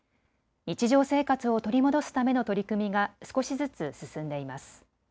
日常生活を取り戻すための取り組みが少しずつ進んでいます。